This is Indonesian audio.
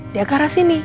dia ke arah sini